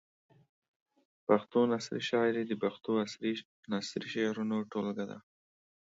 پښتو نثري شاعري د پښتو عصري نثري شعرونو ټولګه ده.